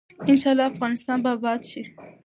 ان شاء الله افغانستان به اباد شي.